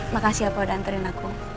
makasih ya pak udah anterin aku